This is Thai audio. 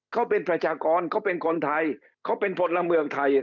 เขาเป็นประชากรเขาเป็นคนไทยเขาเป็นพลเมืองไทย